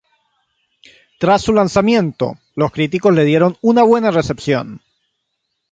Tras su lanzamiento, los críticos le dieron una buena recepción.